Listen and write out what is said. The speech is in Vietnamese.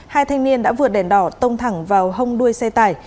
hai thanh niên đã vượt đèn đỏ tông thẳng vào hông đuôi xe tải